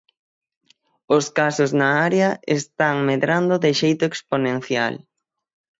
Os casos na área están medrando de xeito exponencial.